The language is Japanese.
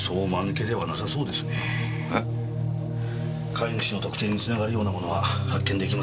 飼い主の特定に繋がるようなものは発見できませんでした。